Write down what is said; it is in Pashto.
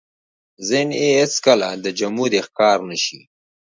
ذهن يې هېڅ کله د جمود ښکار نه شي.